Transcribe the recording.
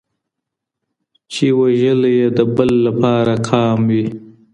چي وژلی یې د بل لپاره قام وي